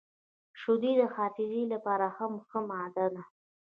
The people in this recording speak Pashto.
• شیدې د حافظې لپاره هم ښه ماده ده.